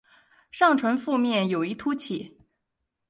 上唇腹面有一突起。